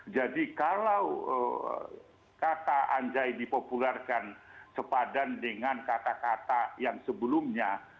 jadi kalau kata anja ini dipopularkan sepadan dengan kata kata yang sebelumnya